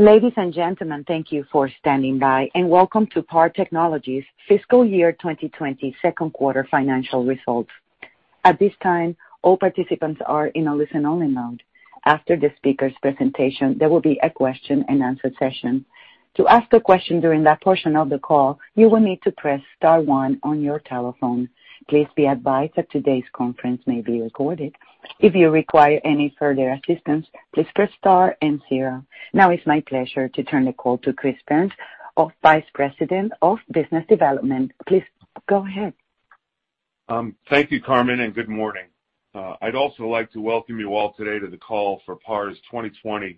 Ladies and gentlemen, thank you for standing by, and welcome to PAR Technology's Fiscal Year 2020 Second Quarter Financial Results. At this time, all participants are in a listen-only mode. After the speaker's presentation, there will be a question-and-answer session. To ask a question during that portion of the call, you will need to press star one on your telephone. Please be advised that today's conference may be recorded. If you require any further assistance, please press star and zero. Now, it's my pleasure to turn the call to Chris Burns, Vice President of Business Development. Please go ahead. Thank you, Carmen, and good morning. I'd also like to welcome you all today to the call for PAR's 2020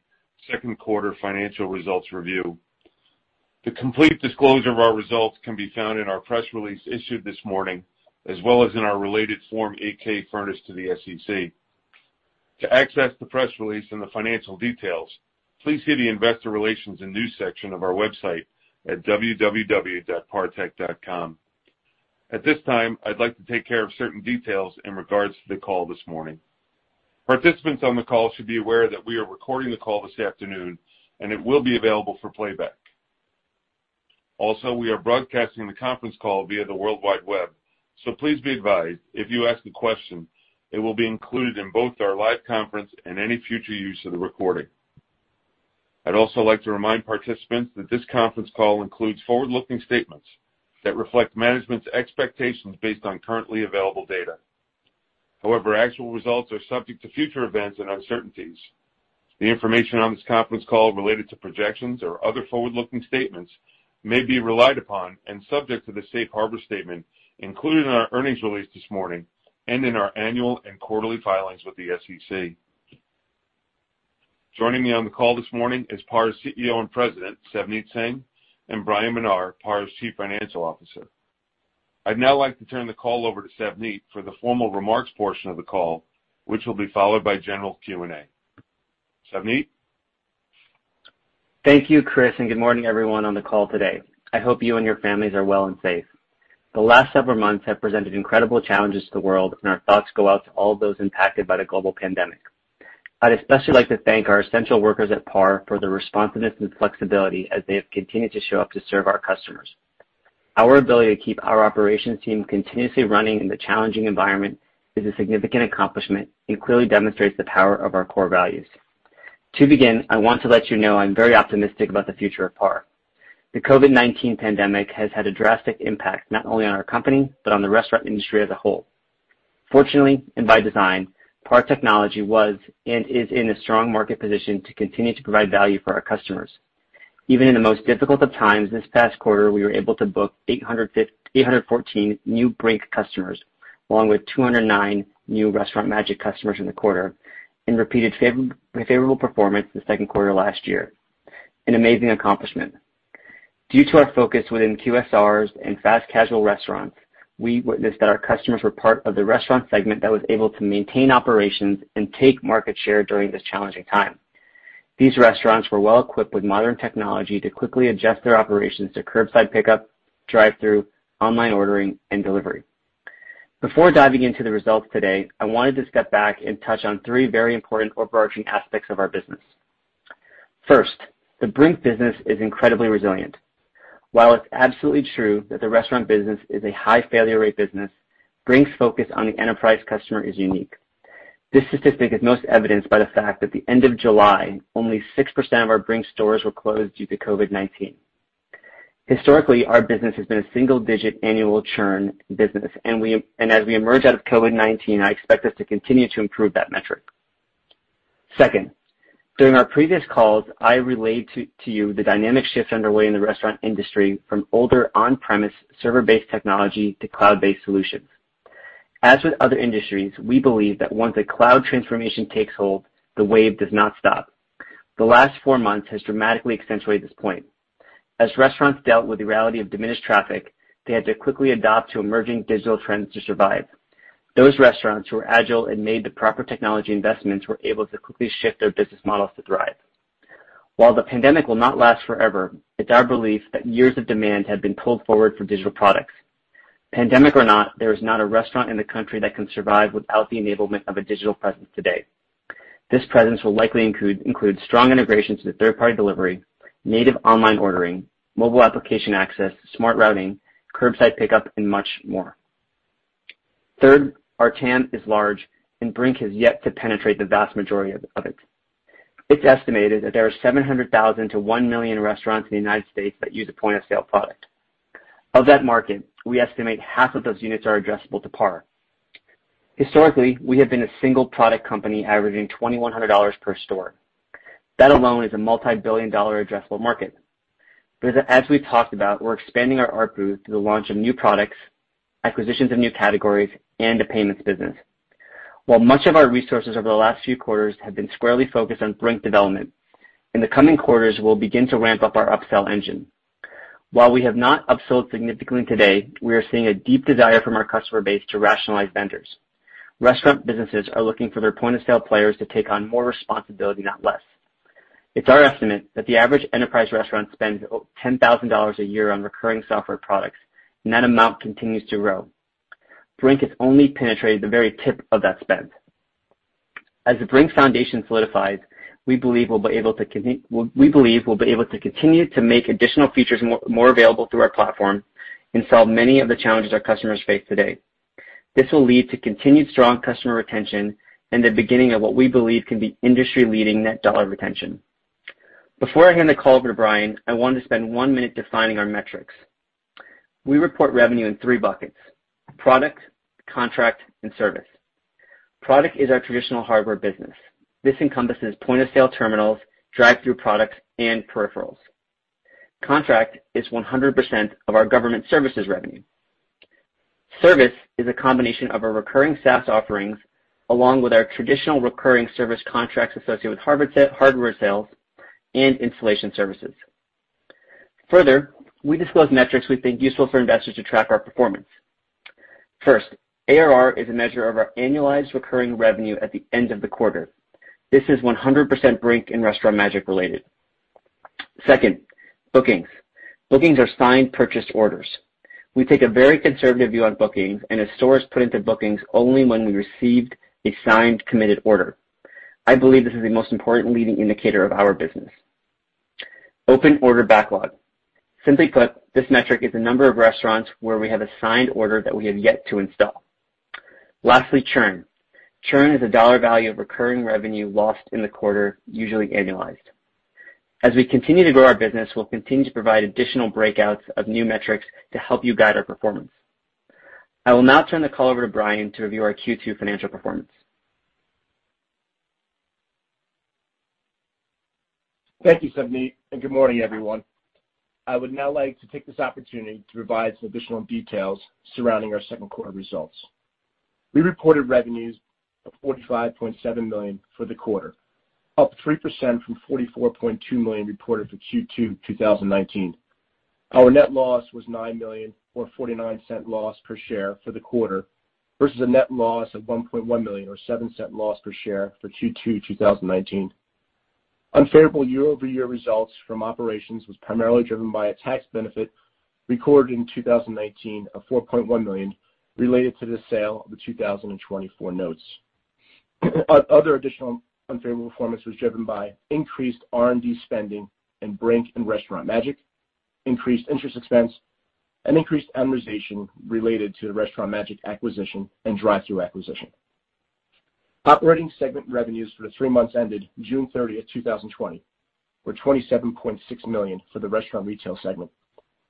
Second Quarter Financial Results Review. The complete disclosure of our results can be found in our press release issued this morning, as well as in our related form, AK furnished to the SEC. To access the press release and the financial details, please see the Investor Relations and News section of our website at www.partech.com. At this time, I'd like to take care of certain details in regards to the call this morning. Participants on the call should be aware that we are recording the call this afternoon, and it will be available for playback. Also, we are broadcasting the conference call via the World Wide Web, so please be advised if you ask a question, it will be included in both our live conference and any future use of the recording. I'd also like to remind participants that this conference call includes forward-looking statements that reflect management's expectations based on currently available data. However, actual results are subject to future events and uncertainties. The information on this conference call related to projections or other forward-looking statements may be relied upon and subject to the Safe Harbor Statement included in our earnings release this morning and in our annual and quarterly filings with the SEC. Joining me on the call this morning is PAR's CEO and President, Savneet Singh, and Bryan Menar, PAR's Chief Financial Officer. I'd now like to turn the call over to Savneet for the formal remarks portion of the call, which will be followed by general Q&A. Savneet? Thank you, Chris, and good morning, everyone on the call today. I hope you and your families are well and safe. The last several months have presented incredible challenges to the world, and our thoughts go out to all those impacted by the global pandemic. I'd especially like to thank our essential workers at PAR for their responsiveness and flexibility as they have continued to show up to serve our customers. Our ability to keep our operations team continuously running in the challenging environment is a significant accomplishment and clearly demonstrates the power of our core values. To begin, I want to let you know I'm very optimistic about the future of PAR. The COVID-19 pandemic has had a drastic impact not only on our company but on the restaurant industry as a whole. Fortunately, and by design, PAR Technology was and is in a strong market position to continue to provide value for our customers. Even in the most difficult of times this past quarter, we were able to book 814 new Brink customers, along with 209 new Restaurant Magic customers in the quarter, and repeated favorable performance the second quarter last year. An amazing accomplishment. Due to our focus within QSRs and fast casual restaurants, we witnessed that our customers were part of the restaurant segment that was able to maintain operations and take market share during this challenging time. These restaurants were well equipped with modern technology to quickly adjust their operations to curbside pickup, drive-through, online ordering, and delivery. Before diving into the results today, I wanted to step back and touch on three very important overarching aspects of our business. First, the Brink business is incredibly resilient. While it's absolutely true that the restaurant business is a high failure rate business, Brink's focus on the enterprise customer is unique. This statistic is most evidenced by the fact that at the end of July, only 6% of our Brink stores were closed due to COVID-19. Historically, our business has been a single-digit annual churn business, and as we emerge out of COVID-19, I expect us to continue to improve that metric. Second, during our previous calls, I relayed to you the dynamic shift underway in the restaurant industry from older on-premise server-based technology to cloud-based solutions. As with other industries, we believe that once a cloud transformation takes hold, the wave does not stop. The last four months have dramatically accentuated this point. As restaurants dealt with the reality of diminished traffic, they had to quickly adopt to emerging digital trends to survive. Those restaurants who were agile and made the proper technology investments were able to quickly shift their business models to thrive. While the pandemic will not last forever, it's our belief that years of demand have been pulled forward for digital products. Pandemic or not, there is not a restaurant in the country that can survive without the enablement of a digital presence today. This presence will likely include strong integrations with third-party delivery, native online ordering, mobile application access, smart routing, curbside pickup, and much more. Third, our TAM is large, and Brink has yet to penetrate the vast majority of it. It's estimated that there are 700,000 to 1 million restaurants in the United States that use a point-of-sale product. Of that market, we estimate half of those units are addressable to PAR. Historically, we have been a single product company averaging $2,100 per store. That alone is a multi-billion dollar addressable market. As we talked about, we're expanding our art booth through the launch of new products, acquisitions of new categories, and a payments business. While much of our resources over the last few quarters have been squarely focused on Brink development, in the coming quarters, we'll begin to ramp up our upsell engine. While we have not upsold significantly today, we are seeing a deep desire from our customer base to rationalize vendors. Restaurant businesses are looking for their point-of-sale players to take on more responsibility, not less. It's our estimate that the average enterprise restaurant spends $10,000 a year on recurring software products, and that amount continues to grow. Brink has only penetrated the very tip of that spend. As the Brink Foundation solidifies, we believe we'll be able to continue to make additional features more available through our platform and solve many of the challenges our customers face today. This will lead to continued strong customer retention and the beginning of what we believe can be industry-leading net dollar retention. Before I hand the call over an, I wanted to spend one minute defining our metrics. We report revenue in three buckets: product, contract, and service. Product is our traditional hardware business. This encompasses point-of-sale terminals, drive-through products, and peripherals. Contract is 100% of our government services revenue. Service is a combination of our recurring SaaS offerings along with our traditional recurring service contracts associated with hardware sales and installation services. Further, we disclose metrics we think are useful for investors to track our performance. First, ARR is a measure of our annualized recurring revenue at the end of the quarter. This is 100% Brink and Restaurant Magic related. Second, bookings. Bookings are signed purchase orders. We take a very conservative view on bookings, and a store is put into bookings only when we received a signed committed order. I believe this is the most important leading indicator of our business. Open order backlog. Simply put, this metric is the number of restaurants where we have a signed order that we have yet to install. Lastly, churn. Churn is the dollar value of recurring revenue lost in the quarter, usually annualized. As we continue to grow our business, we'll continue to provide additional breakouts of new metrics to help you guide our performance. I will now turn the call over to Bryan to review our Q2 financial performance. Thank you, Savneet, and good morning, everyone. I would now like to take this opportunity to provide some additional details surrounding our second quarter results. We reported revenues of $45.7 million for the quarter, up 3% from $44.2 million reported for Q2 2019. Our net loss was $9 million, or $0.49 loss per share for the quarter, versus a net loss of $1.1 million, or $0.07 loss per share for Q2 2019. Unfavorable year-over-year results from operations were primarily driven by a tax benefit recorded in 2019 of $4.1 million related to the sale of the 2024 notes. Other additional unfavorable performance was driven by increased R&D spending in Brink and Restaurant Magic, increased interest expense, and increased amortization related to the Restaurant Magic acquisition and drive-through acquisition. Operating segment revenues for the three months ended June 30, 2020, were $27.6 million for the restaurant retail segment,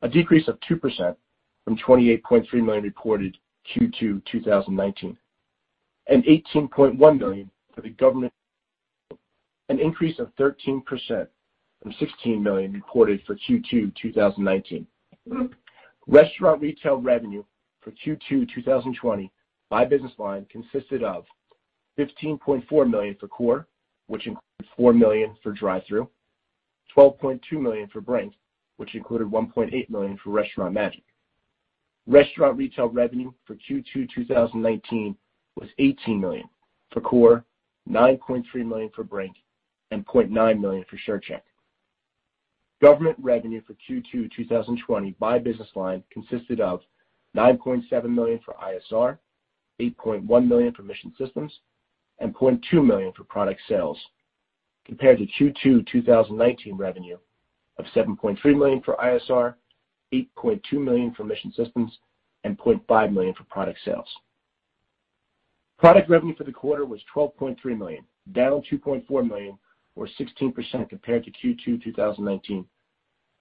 a decrease of 2% from $28.3 million reported Q2 2019, and $18.1 million for the government, an increase of 13% from $16 million reported for Q2 2019. Restaurant retail revenue for Q2 2020 by business line consisted of $15.4 million for core, which included $4 million for drive-through, $12.2 million for Brink, which included $1.8 million for Restaurant Magic. Restaurant retail revenue for Q2 2019 was $18 million for core, $9.3 million for Brink, and $0.9 million for ShareCheck. Government revenue for Q2 2020 by business line consisted of $9.7 million for ISR, $8.1 million for mission systems, and $0.2 million for product sales, compared to Q2 2019 revenue of $7.3 million for ISR, $8.2 million for mission systems, and $0.5 million for product sales. Product revenue for the quarter was $12.3 million, down $2.4 million, or 16% compared to Q2 2019.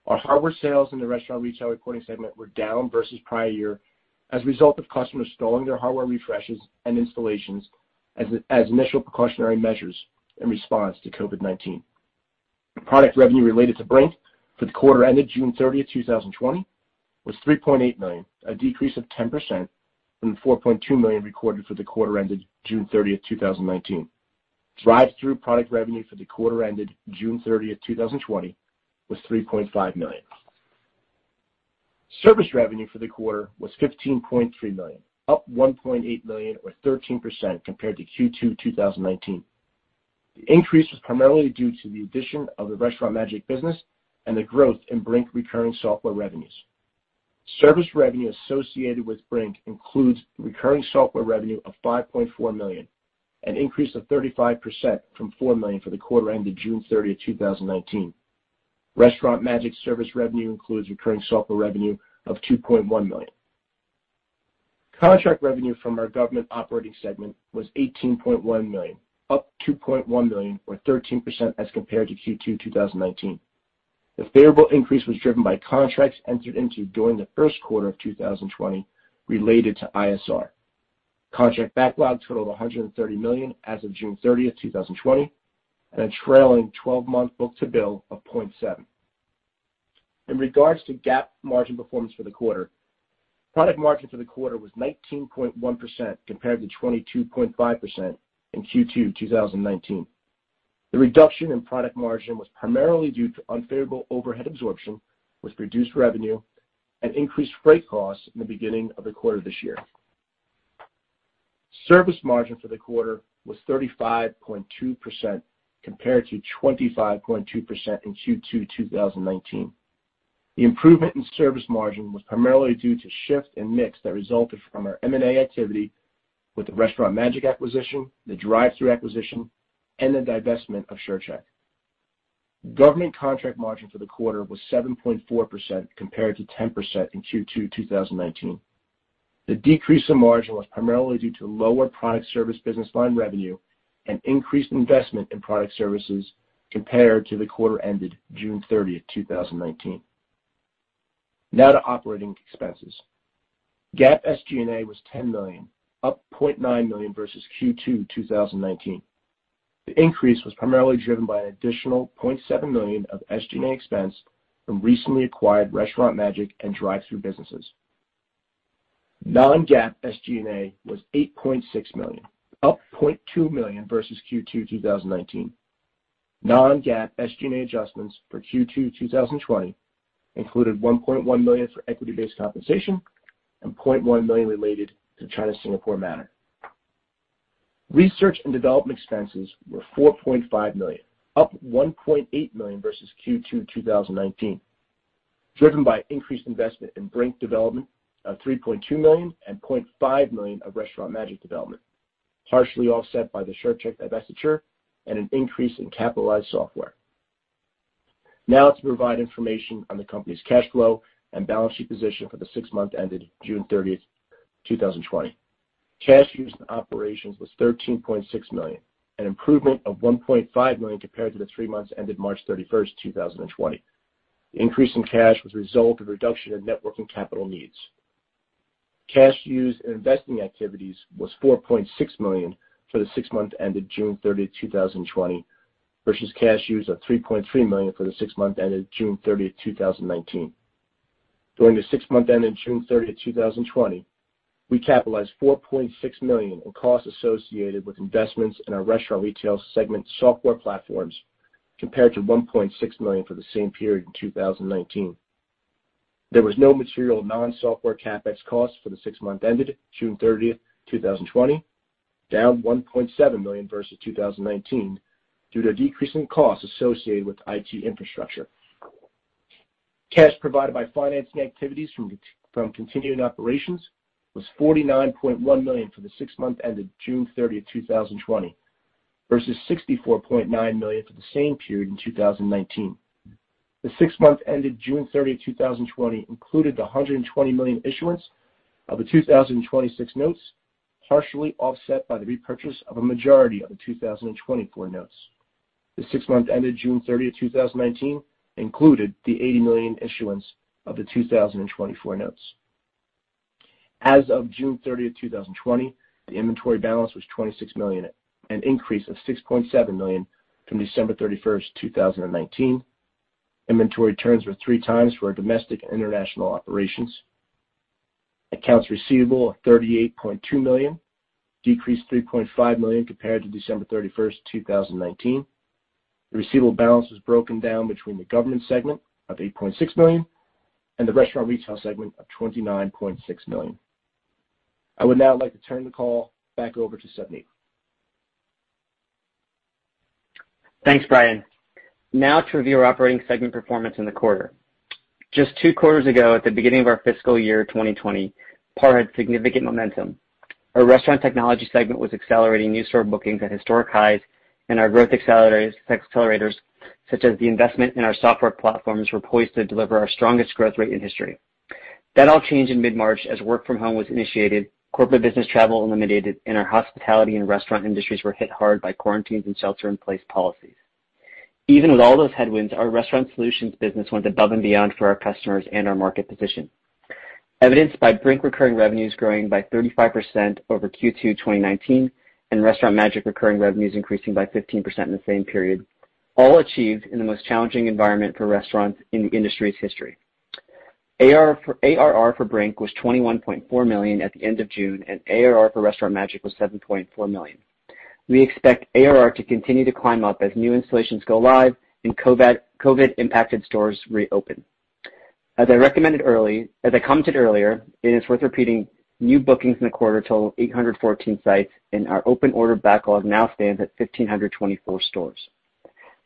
Our hardware sales in the restaurant retail reporting segment were down versus prior year as a result of customers stalling their hardware refreshes and installations as initial precautionary measures in response to COVID-19. Product revenue related to Brink for the quarter ended June 30, 2020, was $3.89 a decrease of 10% from the $4.2 million recorded for the quarter ended June 30, 2019. Drive-through product revenue for the quarter ended June 30, 2020, was $3.5 million. Service revenue for the quarter was $15.3 million, up $1.8 million, or 13% compared to Q2 2019. The increase was primarily due to the addition of the Restaurant Magic business and the growth in Brink recurring software revenues. Service revenue associated with Brink includes recurring software revenue of $5.4 million, an increase of 35% from $4 million for the quarter ended June 30, 2019. Restaurant Magic service revenue includes recurring software revenue of $2.1 million. Contract revenue from our government operating segment was $18.1 million, up $2.1 million, or 13% as compared to Q2 2019. The favorable increase was driven by contracts entered into during the first quarter of 2020 related to ISR. Contract backlog totaled $130 million as of June 30, 2020, and a trailing 12-month book-to-bill of 0.7. In regards to GAAP margin performance for the quarter, product margin for the quarter was 19.1% compared to 22.5% in Q2 2019. The reduction in product margin was primarily due to unfavorable overhead absorption with reduced revenue and increased freight costs in the beginning of the quarter this year. Service margin for the quarter was 35.2% compared to 25.2% in Q2 2019. The improvement in service margin was primarily due to shift and mix that resulted from our M&A activity with the Restaurant Magic acquisition, the drive-through acquisition, and the divestment of ShareCheck. Government contract margin for the quarter was 7.4% compared to 10% in Q2 2019. The decrease in margin was primarily due to lower product service business line revenue and increased investment in product services compared to the quarter ended June 30, 2019. Now to operating expenses. GAAP SG&A was $10 million, up $0.9 million versus Q2 2019. The increase was primarily driven by an additional $0.7 million of SG&A expense from recently acquired Restaurant Magic and drive-through businesses. Non-GAAP SG&A was $8.6 million, up $0.2 million versus Q2 2019. Non-GAAP SG&A adjustments for Q2 2020 included $1.1 million for equity-based compensation and $0.1 million related to China-Singapore manner. Research and development expenses were $4.5 million, up $1.8 million versus Q2 2019, driven by increased investment in Brink development of $3.2 million and $0.5 million of Restaurant Magic development, partially offset by the ShareCheck divestiture and an increase in capitalized software. Now to provide information on the company's cash flow and balance sheet position for the six months ended June 30, 2020. Cash used in operations was $13.6 million, an improvement of $1.5 million compared to the three months ended March 31, 2020. The increase in cash was a result of reduction in net working capital needs. Cash used in investing activities was $4.6 million for the six months ended June 30, 2020, versus cash used of $3.3 million for the six months ended June 30, 2019. During the six months ended June 30, 2020, we capitalized $4.6 million in costs associated with investments in our restaurant retail segment software platforms compared to $1.6 million for the same period in 2019. There was no material non-software CapEx cost for the six months ended June 30, 2020, down $1.7 million versus 2019 due to a decrease in costs associated with IT infrastructure. Cash provided by financing activities from continuing operations was $49.1 million for the six months ended June 30, 2020, versus $64.9 million for the same period in 2019. The six months ended June 30, 2020, included the $120 million issuance of the 2026 notes, partially offset by the repurchase of a majority of the 2024 notes. The six months ended June 30, 2019, included the $80 million issuance of the 2024 notes. As of June 30, 2020, the inventory balance was $26 million, an increase of $6.7 million from December 31, 2019. Inventory turns were three times for domestic and international operations. Accounts receivable of $38.2 million decreased $3.5 million compared to December 31, 2019. The receivable balance was broken down between the government segment of $8.6 million and the restaurant retail segment of $29.6 million. I would now like to turn the call back over to Savneet. Thanks, BrBryan. Now to review our operating segment performance in the quarter. Just two quarters ago, at the beginning of our fiscal year 2020, PAR had significant momentum. Our restaurant technology segment was accelerating new store bookings at historic highs, and our growth accelerators, such as the investment in our software platforms, were poised to deliver our strongest growth rate in history. That all changed in mid-March as work from home was initiated, corporate business travel unlimited, and our hospitality and restaurant industries were hit hard by quarantines and shelter-in-place policies. Even with all those headwinds, our restaurant solutions business went above and beyond for our customers and our market position. Evidenced by Brink recurring revenues growing by 35% over Q2 2019 and Restaurant Magic recurring revenues increasing by 15% in the same period, all achieved in the most challenging environment for restaurants in the industry's history. ARR for Brink was $21.4 million at the end of June, and ARR for Restaurant Magic was $7.4 million. We expect ARR to continue to climb up as new installations go live and COVID-impacted stores reopen. As I commented earlier, it is worth repeating, new bookings in the quarter totaled 814 sites, and our open order backlog now stands at 1,524 stores.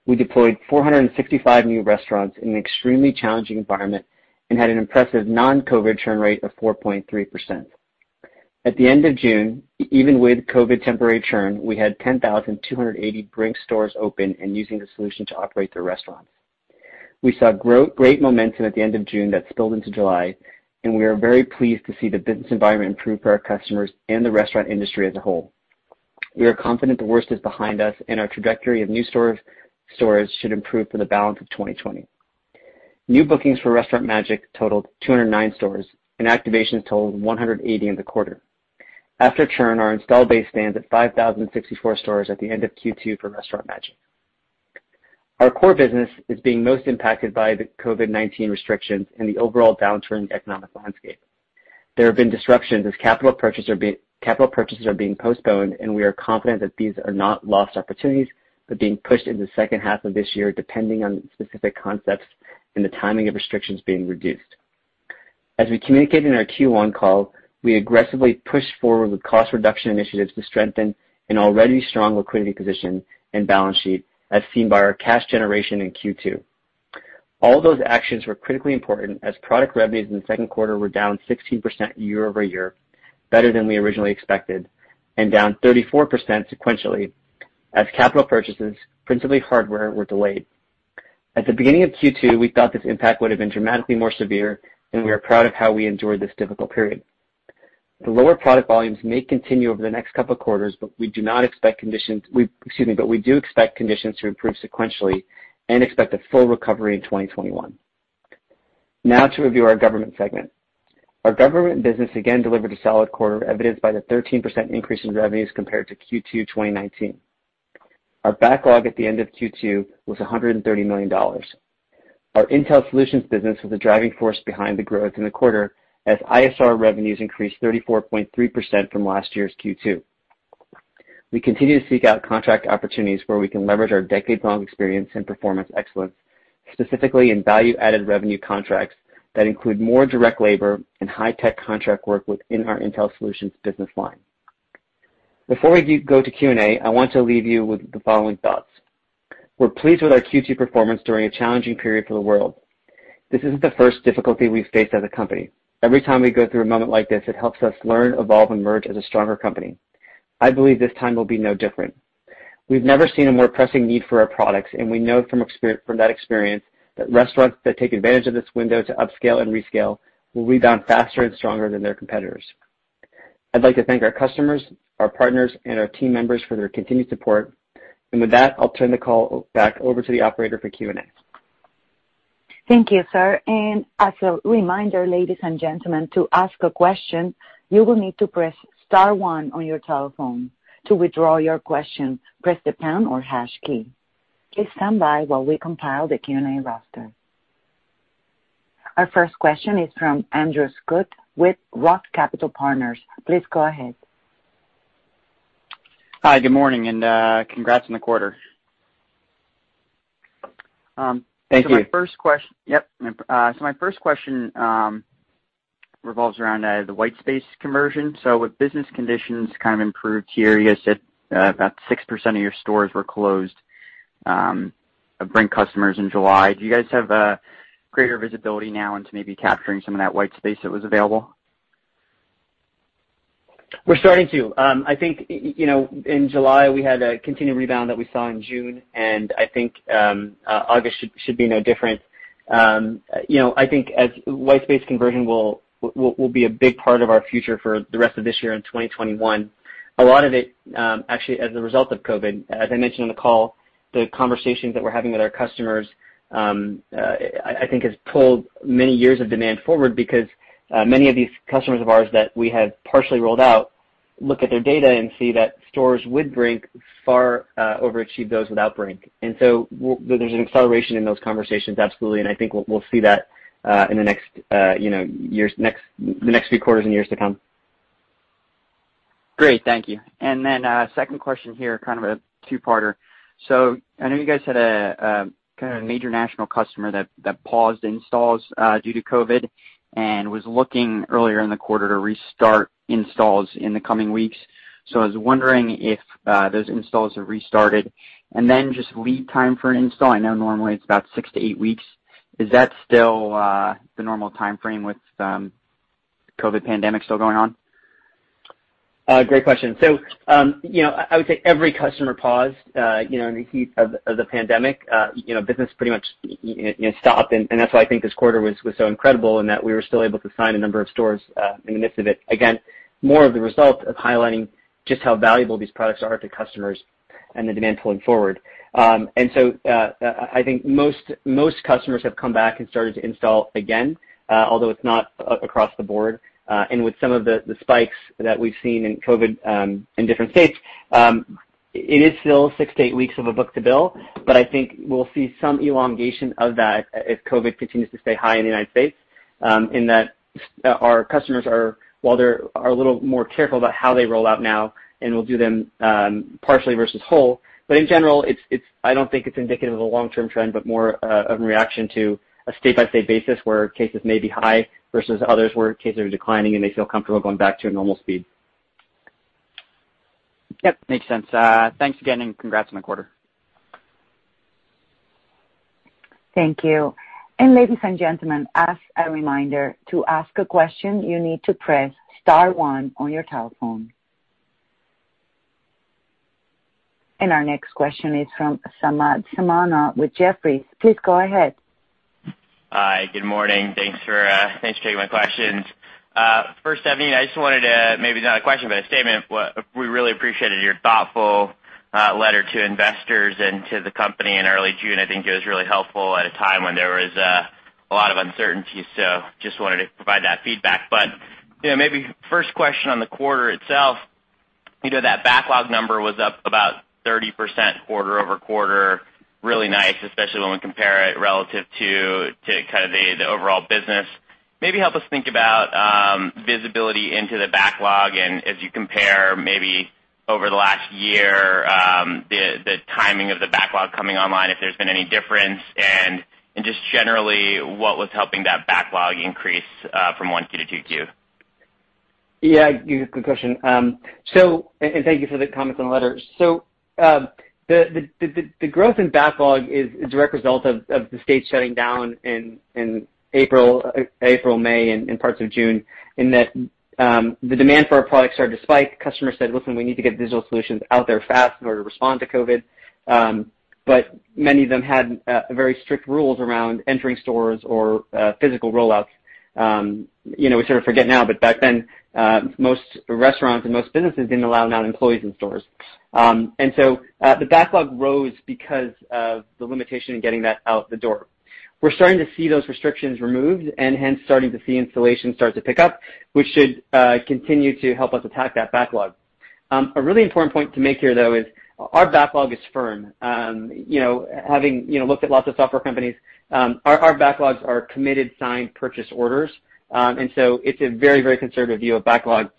We deployed 465 new restaurants in an extremely challenging environment and had an impressive non-COVID churn rate of 4.3%. At the end of June, even with COVID temporary churn, we had 10,280 Brink stores open and using the solution to operate their restaurants. We saw great momentum at the end of June that spilled into July, and we are very pleased to see the business environment improve for our customers and the restaurant industry as a whole. We are confident the worst is behind us, and our trajectory of new stores should improve for the balance of 2020. New bookings for Restaurant Magic totaled 209 stores, and activations totaled 180 in the quarter. After churn, our installed base stands at 5,064 stores at the end of Q2 for Restaurant Magic. Our core business is being most impacted by the COVID-19 restrictions and the overall downturn in the economic landscape. There have been disruptions as capital purchases are being postponed, and we are confident that these are not lost opportunities but being pushed into the second half of this year, depending on specific concepts and the timing of restrictions being reduced. As we communicated in our Q1 call, we aggressively pushed forward with cost reduction initiatives to strengthen an already strong liquidity position and balance sheet, as seen by our cash generation in Q2. All those actions were critically important as product revenues in the second quarter were down 16% year-over-year, better than we originally expected, and down 34% sequentially as capital purchases, principally hardware, were delayed. At the beginning of Q2, we thought this impact would have been dramatically more severe, and we are proud of how we endured this difficult period. The lower product volumes may continue over the next couple of quarters, but we do not expect conditions, excuse me, but we do expect conditions to improve sequentially and expect a full recovery in 2021. Now to review our government segment. Our government business again delivered a solid quarter, evidenced by the 13% increase in revenues compared to Q2 2019. Our backlog at the end of Q2 was $130 million. Our intel solutions business was the driving force behind the growth in the quarter as ISR revenues increased 34.3% from last year's Q2. We continue to seek out contract opportunities where we can leverage our decades-long experience and performance excellence, specifically in value-added revenue contracts that include more direct labor and high-tech contract work within our intel solutions business line. Before we go to Q&A, I want to leave you with the following thoughts. We're pleased with our Q2 performance during a challenging period for the world. This isn't the first difficulty we've faced as a company. Every time we go through a moment like this, it helps us learn, evolve, and emerge as a stronger company. I believe this time will be no different. We've never seen a more pressing need for our products, and we know from that experience that restaurants that take advantage of this window to upscale and rescale will rebound faster and stronger than their competitors. I'd like to thank our customers, our partners, and our team members for their continued support. With that, I'll turn the call back over to the operator for Q&A. Thank you, sir. As a reminder, ladies and gentlemen, to ask a question, you will need to press Star one on your telephone. To withdraw your question, press the pound or hash key. Please stand by while we compile the Q&A roster. Our first question is from Andrew Scutt with ROTH Capital Partners. Please go ahead. Hi, good morning, and congrats on the quarter. Thank you. My first question revolves around the white space conversion. With business conditions kind of improved here, you guys said about 6% of your stores were closed of Brink customers in July. Do you guys have greater visibility now into maybe capturing some of that white space that was available? We're starting to. I think in July, we had a continued rebound that we saw in June, and I think August should be no different. I think white space conversion will be a big part of our future for the rest of this year in 2021. A lot of it, actually, as a result of COVID. As I mentioned on the call, the conversations that we're having with our customers, I think, has pulled many years of demand forward because many of these customers of ours that we have partially rolled out look at their data and see that stores with Brink far overachieve those without Brink. There is an acceleration in those conversations, absolutely. I think we'll see that in the next few quarters and years to come. Great. Thank you. Second question here, kind of a two-parter. I know you guys had a kind of a major national customer that paused installs due to COVID and was looking earlier in the quarter to restart installs in the coming weeks. I was wondering if those installs are restarted. Just lead time for an install, I know normally it's about six to eight weeks. Is that still the normal timeframe with COVID pandemic still going on? Great question. I would say every customer paused in the heat of the pandemic. Business pretty much stopped. That is why I think this quarter was so incredible in that we were still able to sign a number of stores in the midst of it. Again, more of the result of highlighting just how valuable these products are to customers and the demand pulling forward. I think most customers have come back and started to install again, although it is not across the board. With some of the spikes that we have seen in COVID in different states, it is still six to eight weeks of a book-to-bill. I think we'll see some elongation of that if COVID continues to stay high in the United States in that our customers, while they're a little more careful about how they roll out now, and we'll do them partially versus whole. In general, I don't think it's indicative of a long-term trend, but more of a reaction to a state-by-state basis where cases may be high versus others where cases are declining and they feel comfortable going back to a normal speed. Yep. Makes sense. Thanks again, and congrats on the quarter. Thank you. Ladies and gentlemen, as a reminder, to ask a question, you need to press Star one on your telephone. Our next question is from Samad Samana with Jefferies. Please go ahead. Hi, good morning. Thanks for taking my questions. First, Savneet, I just wanted to—maybe not a question, but a statement. We really appreciated your thoughtful letter to investors and to the company in early June. I think it was really helpful at a time when there was a lot of uncertainty. Just wanted to provide that feedback. Maybe first question on the quarter itself, that backlog number was up about 30% quarter over quarter. Really nice, especially when we compare it relative to kind of the overall business. Maybe help us think about visibility into the backlog and, as you compare, maybe over the last year, the timing of the backlog coming online, if there's been any difference, and just generally what was helping that backlog increase from one Q-two Q. Yeah, good question. Thank you for the comments on the letter. The growth in backlog is a direct result of the states shutting down in April, May, and parts of June in that the demand for our products started to spike. Customers said, "Listen, we need to get digital solutions out there fast in order to respond to COVID." Many of them had very strict rules around entering stores or physical rollouts. We sort of forget now, but back then, most restaurants and most businesses did not allow non-employees in stores. The backlog rose because of the limitation in getting that out the door. We're starting to see those restrictions removed and, hence, starting to see installations start to pick up, which should continue to help us attack that backlog. A really important point to make here, though, is our backlog is firm. Having looked at lots of software companies, our backlogs are committed signed purchase orders. It is a very, very conservative view of backlog.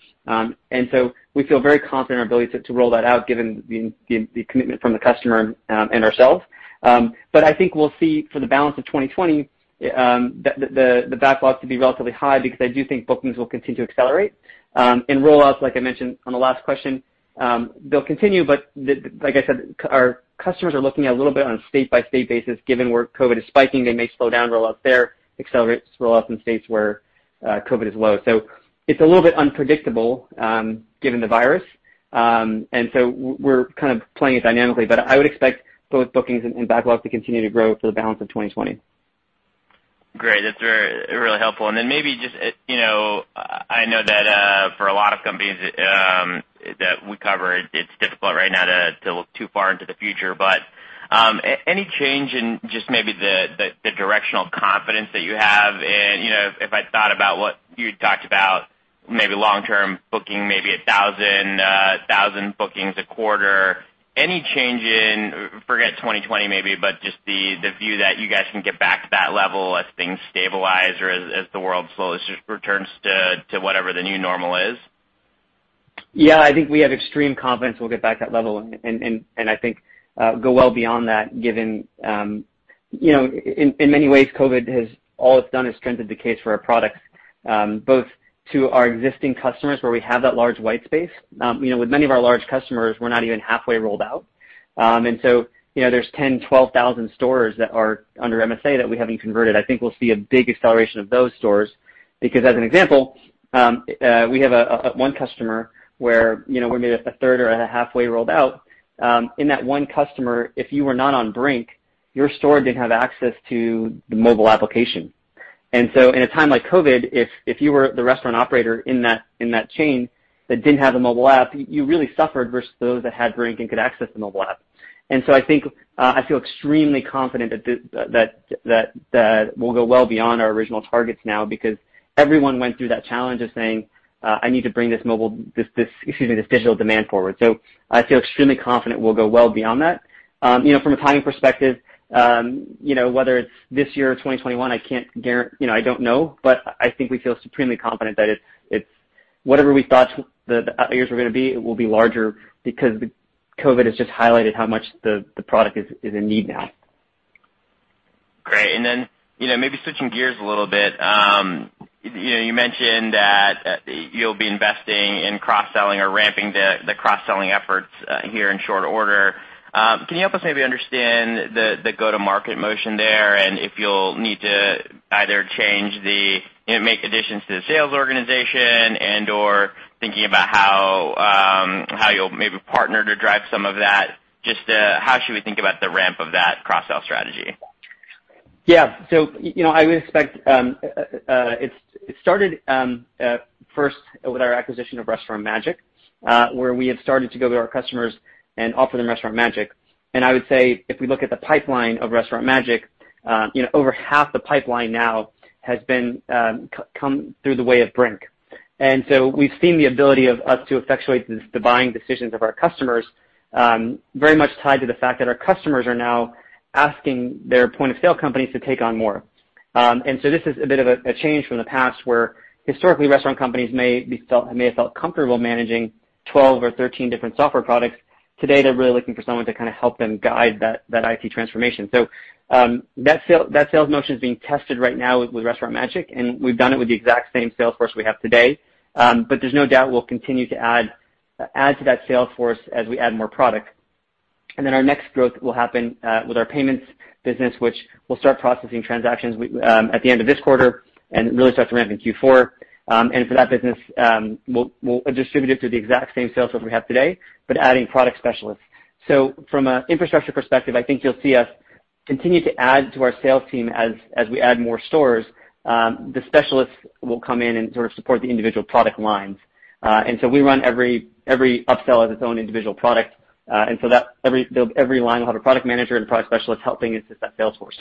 We feel very confident in our ability to roll that out given the commitment from the customer and ourselves. I think we will see, for the balance of 2020, the backlog to be relatively high because I do think bookings will continue to accelerate. Rollouts, like I mentioned on the last question, will continue. Our customers are looking at a little bit on a state-by-state basis. Given where COVID is spiking, they may slow down rollouts there, accelerate rollouts in states where COVID is low. It is a little bit unpredictable given the virus. We are kind of playing it dynamically. I would expect both bookings and backlog to continue to grow for the balance of 2020. Great. That's really helpful. I know that for a lot of companies that we cover, it's difficult right now to look too far into the future. Any change in just maybe the directional confidence that you have? If I thought about what you talked about, maybe long-term booking, maybe 1,000 bookings a quarter, any change in—forget 2020 maybe—but just the view that you guys can get back to that level as things stabilize or as the world slowly returns to whatever the new normal is? Yeah, I think we have extreme confidence we'll get back to that level. I think go well beyond that given in many ways, COVID has—all it's done has strengthened the case for our products, both to our existing customers where we have that large white space. With many of our large customers, we're not even halfway rolled out. There's 10,000-12,000 stores that are under MSA that we haven't converted. I think we'll see a big acceleration of those stores because, as an example, we have one customer where we're maybe a third or a halfway rolled out. In that one customer, if you were not on Brink, your store didn't have access to the mobile application. In a time like COVID, if you were the restaurant operator in that chain that did not have the mobile app, you really suffered versus those that had Brink and could access the mobile app. I feel extremely confident that we will go well beyond our original targets now because everyone went through that challenge of saying, "I need to bring this mobile—excuse me—this digital demand forward." I feel extremely confident we will go well beyond that. From a timing perspective, whether it is this year or 2021, I cannot guarantee—I do not know. I think we feel supremely confident that whatever we thought the years were going to be, it will be larger because COVID has just highlighted how much the product is in need now. Great. Maybe switching gears a little bit, you mentioned that you'll be investing in cross-selling or ramping the cross-selling efforts here in short order. Can you help us maybe understand the go-to-market motion there and if you'll need to either change the—make additions to the sales organization and/or thinking about how you'll maybe partner to drive some of that? Just how should we think about the ramp of that cross-sell strategy? Yeah. I would expect it started first with our acquisition of Restaurant Magic, where we have started to go to our customers and offer them Restaurant Magic. I would say if we look at the pipeline of Restaurant Magic, over half the pipeline now has come through the way of Brink. We have seen the ability of us to effectuate the buying decisions of our customers very much tied to the fact that our customers are now asking their point-of-sale companies to take on more. This is a bit of a change from the past where historically restaurant companies may have felt comfortable managing 12 or 13 different software products. Today, they are really looking for someone to kind of help them guide that IT transformation. That sales motion is being tested right now with Restaurant Magic. We've done it with the exact same sales force we have today. There is no doubt we'll continue to add to that sales force as we add more product. Our next growth will happen with our payments business, which will start processing transactions at the end of this quarter and really start to ramp in Q4. For that business, we'll distribute it to the exact same sales force we have today, but adding product specialists. From an infrastructure perspective, I think you'll see us continue to add to our sales team as we add more stores. The specialists will come in and sort of support the individual product lines. We run every upsell as its own individual product. Every line will have a product manager and a product specialist helping assist that sales force.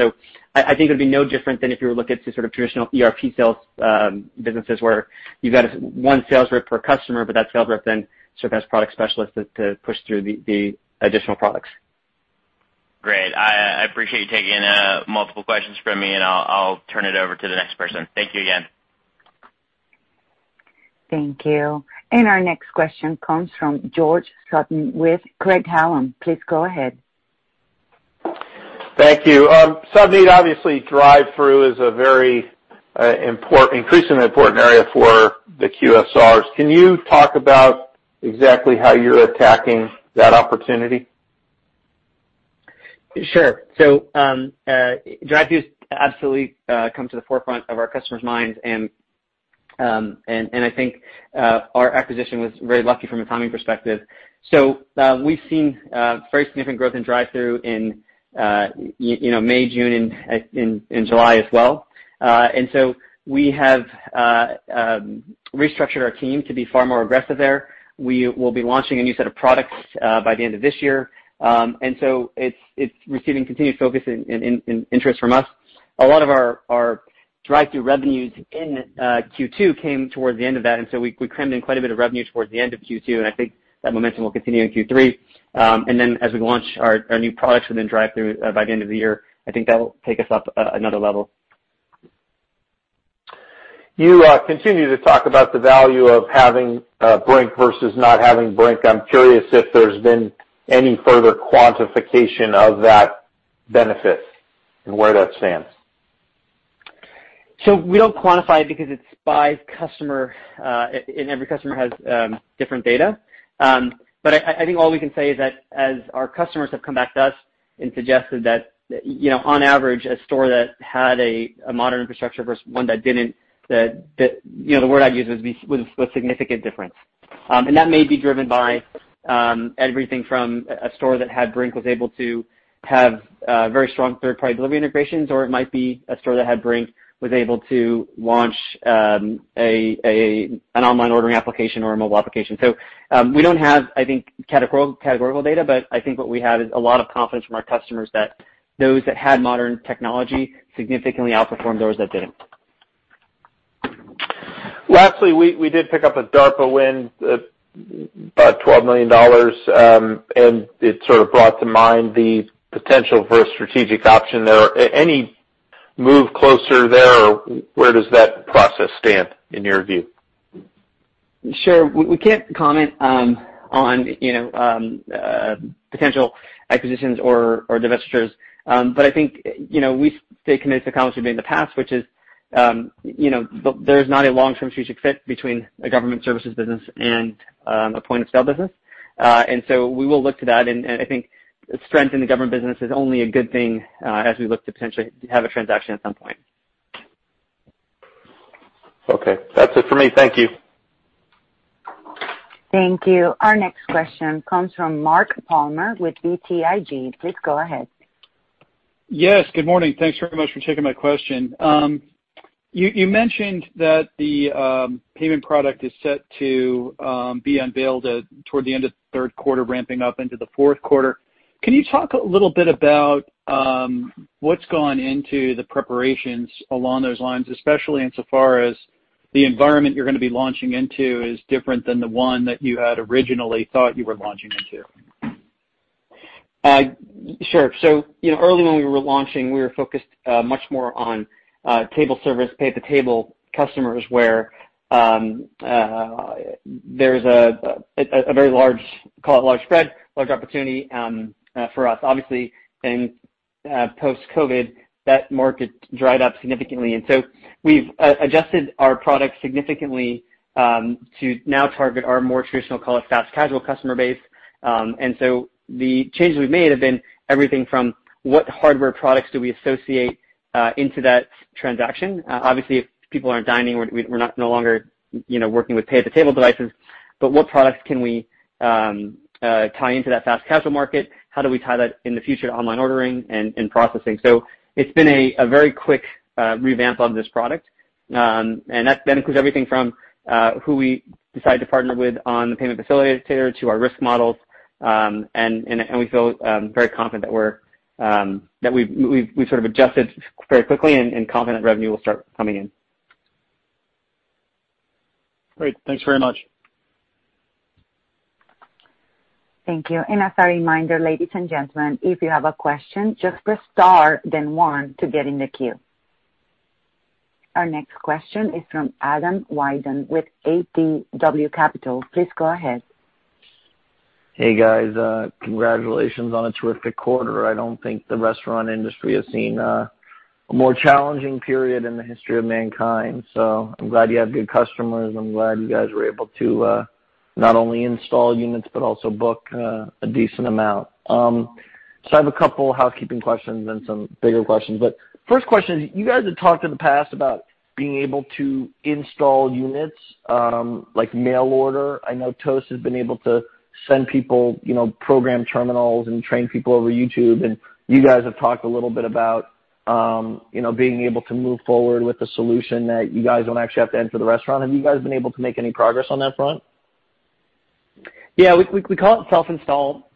I think it would be no different than if you were looking at the sort of traditional ERP sales businesses where you've got one sales rep per customer, but that sales rep then serves as product specialist to push through the additional products. Great. I appreciate you taking multiple questions from me, and I'll turn it over to the next person. Thank you again. Thank you. Our next question comes from George Sutton with Craig-Hallum. Please go ahead. Thank you. Savneet, obviously, drive-through is an increasingly important area for the QSRs. Can you talk about exactly how you're attacking that opportunity? Sure. Drive-throughs absolutely come to the forefront of our customers' minds. I think our acquisition was very lucky from a timing perspective. We have seen very significant growth in drive-through in May, June, and July as well. We have restructured our team to be far more aggressive there. We will be launching a new set of products by the end of this year. It is receiving continued focus and interest from us. A lot of our drive-through revenues in Q2 came towards the end of that. We crammed in quite a bit of revenue towards the end of Q2. I think that momentum will continue in Q3. As we launch our new products within drive-through by the end of the year, I think that will take us up another level. You continue to talk about the value of having Brink versus not having Brink. I'm curious if there's been any further quantification of that benefit and where that stands. We do not quantify it because it is by customer, and every customer has different data. I think all we can say is that as our customers have come back to us and suggested that, on average, a store that had a modern infrastructure versus one that did not, the word I would use was a significant difference. That may be driven by everything from a store that had Brink was able to have very strong third-party delivery integrations, or it might be a store that had Brink was able to launch an online ordering application or a mobile application. We do not have, I think, categorical data, but I think what we have is a lot of confidence from our customers that those that had modern technology significantly outperformed those that did not. Lastly, we did pick up a DARPA win, about $12 million. It sort of brought to mind the potential for a strategic option there. Any move closer there, or where does that process stand in your view? Sure. We can't comment on potential acquisitions or divestitures. I think we stay committed to the comments we've made in the past, which is there's not a long-term strategic fit between a government services business and a point-of-sale business. We will look to that. I think strength in the government business is only a good thing as we look to potentially have a transaction at some point. Okay. That's it for me. Thank you. Thank you. Our next question comes from Mark Palmer with BTIG. Please go ahead. Yes. Good morning. Thanks very much for taking my question. You mentioned that the payment product is set to be unveiled toward the end of the third quarter, ramping up into the fourth quarter. Can you talk a little bit about what's gone into the preparations along those lines, especially insofar as the environment you're going to be launching into is different than the one that you had originally thought you were launching into? Sure. Early when we were launching, we were focused much more on table service, pay-per-table customers where there is a very large, call it large spread, large opportunity for us. Obviously, post-COVID, that market dried up significantly. We have adjusted our product significantly to now target our more traditional, call it fast-casual customer base. The changes we have made have been everything from what hardware products we associate into that transaction. Obviously, if people are not dining, we are no longer working with pay-per-table devices. What products can we tie into that fast-casual market? How do we tie that in the future to online ordering and processing? It has been a very quick revamp of this product. That includes everything from who we decide to partner with on the payment facilitator to our risk models. We feel very confident that we've sort of adjusted very quickly and confident that revenue will start coming in. Great. Thanks very much. Thank you. As a reminder, ladies and gentlemen, if you have a question, just press Star, then one to get in the queue. Our next question is from Adam Wyden with ADW Capital. Please go ahead. Hey, guys. Congratulations on a terrific quarter. I don't think the restaurant industry has seen a more challenging period in the history of mankind. I'm glad you have good customers. I'm glad you guys were able to not only install units but also book a decent amount. I have a couple of housekeeping questions and some bigger questions. First question is, you guys have talked in the past about being able to install units like mail order. I know Toast has been able to send people program terminals and train people over YouTube. You guys have talked a little bit about being able to move forward with the solution that you guys don't actually have to enter the restaurant. Have you guys been able to make any progress on that front? Yeah. We call it self-install.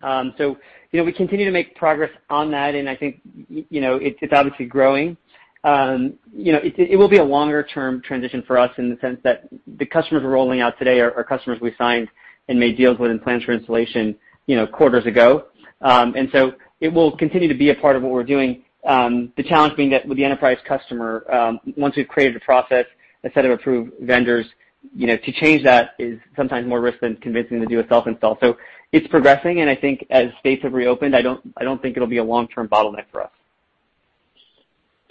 We continue to make progress on that. I think it's obviously growing. It will be a longer-term transition for us in the sense that the customers we're rolling out today are customers we signed and made deals with and plans for installation quarters ago. It will continue to be a part of what we're doing. The challenge being that with the enterprise customer, once we've created a process, a set of approved vendors, to change that is sometimes more risk than convincing them to do a self-install. It's progressing. I think as states have reopened, I don't think it'll be a long-term bottleneck for us.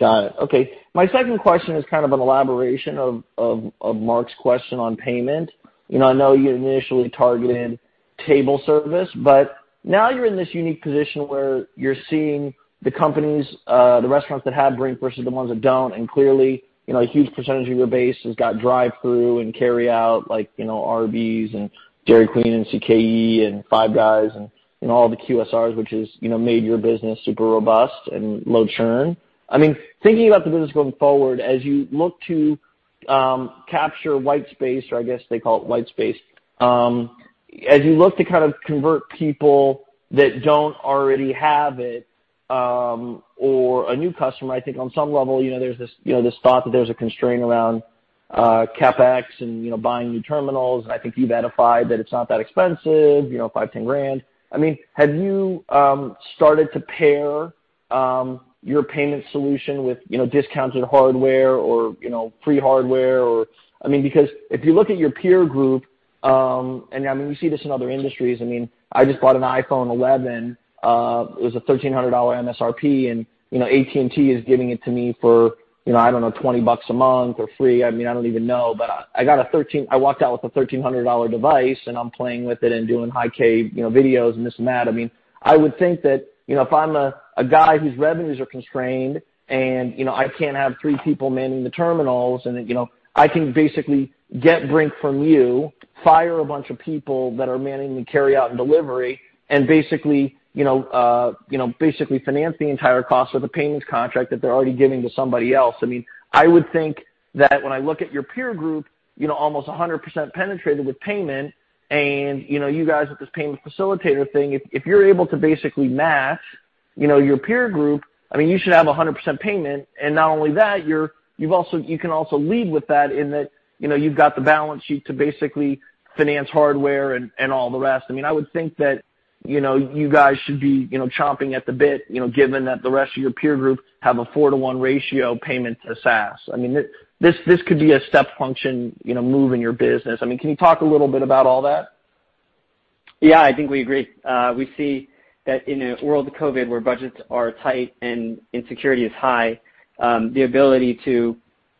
Got it. Okay. My second question is kind of an elaboration of Mark's question on payment. I know you initially targeted table service, but now you're in this unique position where you're seeing the companies, the restaurants that have Brink versus the ones that don't. Clearly, a huge percentage of your base has got drive-through and carry out like Arby's and Dairy Queen and CKE and Five Guys and all the QSRs, which has made your business super robust and low churn. I mean, thinking about the business going forward, as you look to capture white space, or I guess they call it white space, as you look to kind of convert people that don't already have it or a new customer, I think on some level there's this thought that there's a constraint around CapEx and buying new terminals. I think you've edified that it's not that expensive, $5,000, $10,000. Have you started to pair your payment solution with discounted hardware or free hardware? If you look at your peer group, and I mean, you see this in other industries. I just bought an iPhone 11. It was a $1,300 MSRP. AT&T is giving it to me for, I do not know, $20 a month or free. I do not even know. I got a 13. I walked out with a $1,300 device, and I'm playing with it and doing high K videos and this and that. I mean, I would think that if I'm a guy whose revenues are constrained and I can't have three people manning the terminals, and I can basically get Brink from you, fire a bunch of people that are manning the carry out and delivery, and basically finance the entire cost with a payments contract that they're already giving to somebody else. I mean, I would think that when I look at your peer group, almost 100% penetrated with payment. You guys with this payment facilitator thing, if you're able to basically match your peer group, I mean, you should have 100% payment. Not only that, you can also lead with that in that you've got the balance sheet to basically finance hardware and all the rest. I mean, I would think that you guys should be chomping at the bit, given that the rest of your peer group have a 4:1 ratio payment to SaaS. I mean, this could be a step function moving your business. I mean, can you talk a little bit about all that? Yeah. I think we agree. We see that in a world of COVID where budgets are tight and insecurity is high, the ability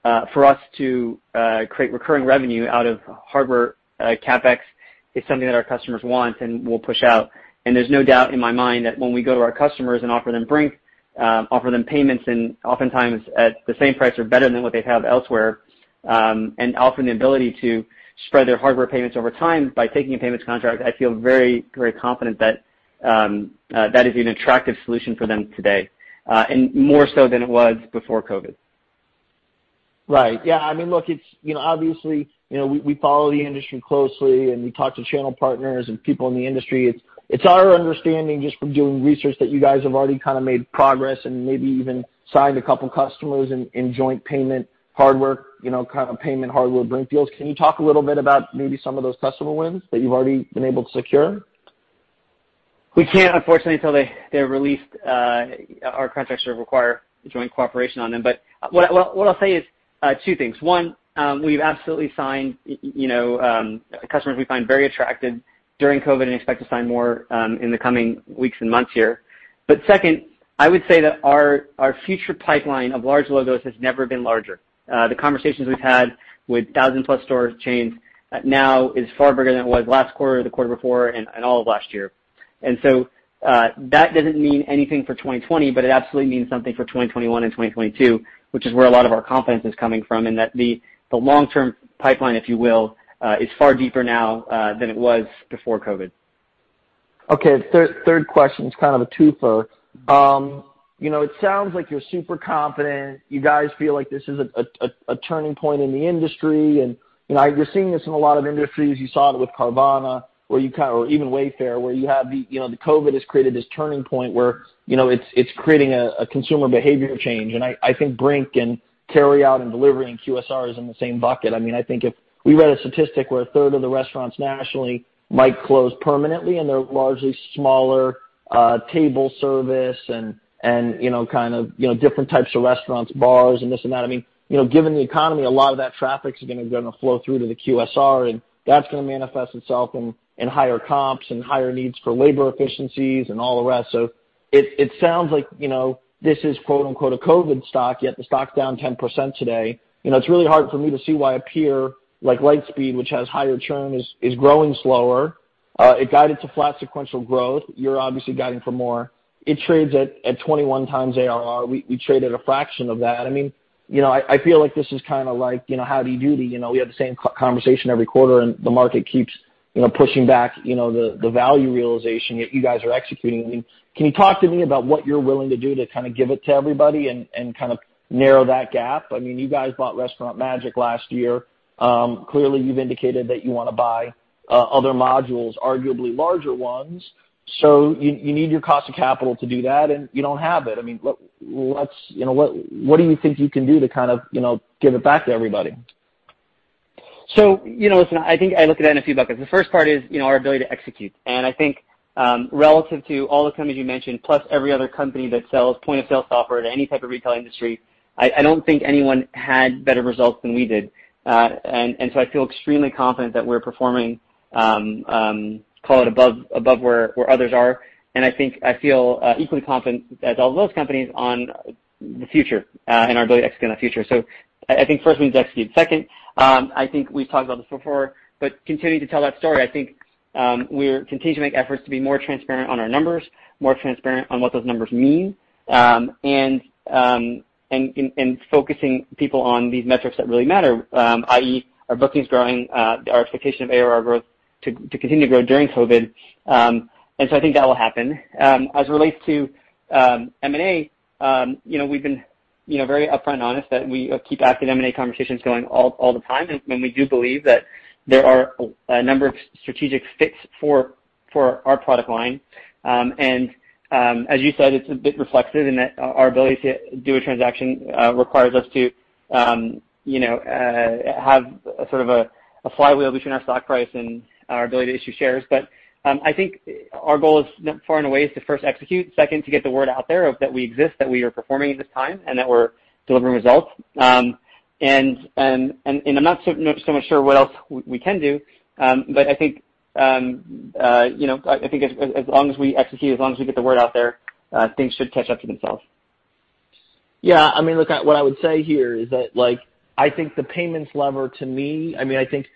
for us to create recurring revenue out of hardware CapEx is something that our customers want and will push out. There's no doubt in my mind that when we go to our customers and offer them Brink, offer them payments, and oftentimes at the same price or better than what they have elsewhere, and offer them the ability to spread their hardware payments over time by taking a payments contract, I feel very, very confident that that is an attractive solution for them today, and more so than it was before COVID. Right. Yeah. I mean, look, obviously, we follow the industry closely, and we talk to channel partners and people in the industry. It's our understanding just from doing research that you guys have already kind of made progress and maybe even signed a couple of customers in joint payment hardware, kind of payment hardware Brink deals. Can you talk a little bit about maybe some of those customer wins that you've already been able to secure? We can't, unfortunately, until they're released. Our contracts require joint cooperation on them. What I'll say is two things. One, we've absolutely signed customers we find very attractive during COVID and expect to sign more in the coming weeks and months here. Second, I would say that our future pipeline of large logos has never been larger. The conversations we've had with thousand-plus store chains now is far bigger than it was last quarter, the quarter before, and all of last year. That doesn't mean anything for 2020, but it absolutely means something for 2021 and 2022, which is where a lot of our confidence is coming from, and that the long-term pipeline, if you will, is far deeper now than it was before COVID. Okay. Third question is kind of a twofer. It sounds like you're super confident. You guys feel like this is a turning point in the industry. You're seeing this in a lot of industries. You saw it with Carvana or even Wayfair, where the COVID has created this turning point where it's creating a consumer behavior change. I think Brink and carry out and delivery and QSRs are in the same bucket. I mean, I think if we read a statistic where a third of the restaurants nationally might close permanently, and they're largely smaller table service and kind of different types of restaurants, bars, and this and that. I mean, given the economy, a lot of that traffic is going to flow through to the QSR, and that's going to manifest itself in higher comps and higher needs for labor efficiencies and all the rest. It sounds like this is "a COVID stock," yet the stock's down 10% today. It's really hard for me to see why a peer like Lightspeed, which has higher churn, is growing slower. It guided to flat sequential growth. You're obviously guiding for more. It trades at 21 times ARR. We traded a fraction of that. I mean, I feel like this is kind of like howdy doody. We have the same conversation every quarter, and the market keeps pushing back the value realization that you guys are executing. I mean, can you talk to me about what you're willing to do to kind of give it to everybody and kind of narrow that gap? I mean, you guys bought Restaurant Magic last year. Clearly, you've indicated that you want to buy other modules, arguably larger ones. You need your cost of capital to do that, and you don't have it. I mean, what do you think you can do to kind of give it back to everybody? Listen, I think I look at that in a few buckets. The first part is our ability to execute. I think relative to all the companies you mentioned, plus every other company that sells point-of-sale software to any type of retail industry, I do not think anyone had better results than we did. I feel extremely confident that we are performing, call it above where others are. I feel equally confident as all of those companies on the future and our ability to execute in the future. I think first we need to execute. Second, I think we've talked about this before, but continuing to tell that story, I think we continue to make efforts to be more transparent on our numbers, more transparent on what those numbers mean, and focusing people on these metrics that really matter, i.e., our bookings growing, our expectation of ARR growth to continue to grow during COVID. I think that will happen. As it relates to M&A, we've been very upfront and honest that we keep active M&A conversations going all the time. We do believe that there are a number of strategic fits for our product line. As you said, it's a bit reflexive in that our ability to do a transaction requires us to have sort of a flywheel between our stock price and our ability to issue shares. I think our goal is not far and away is to first execute, second, to get the word out there that we exist, that we are performing at this time, and that we're delivering results. I'm not so much sure what else we can do, but I think as long as we execute, as long as we get the word out there, things should catch up to themselves. Yeah. I mean, look, what I would say here is that I think the payments lever to me, I mean, I think